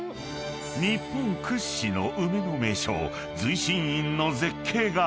［日本屈指の梅の名所隨心院の絶景がこちら］